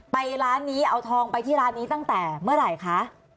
ร้านนี้เอาทองไปที่ร้านนี้ตั้งแต่เมื่อไหร่คะ